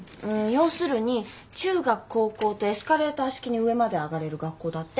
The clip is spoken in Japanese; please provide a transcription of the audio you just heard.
要するに中学高校とエスカレーター式に上まで上がれる学校だって。